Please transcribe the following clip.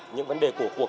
những vấn đề đương thời